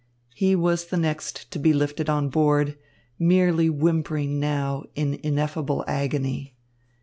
He was the next to be lifted on board, merely whimpering now in ineffable agony.